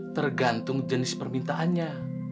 tergantung jenis permintaannya